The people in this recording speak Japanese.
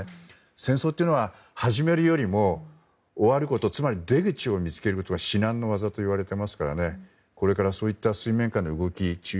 戦争というのは始めるよりも終わることつまり出口を見つけることが至難の業といわれますからこれからそういった水面下の動き注意